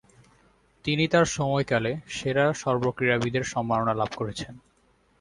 তিনি তার সময়কালে সেরা সর্বক্রীড়াবিদের সম্মাননা লাভ করেছেন।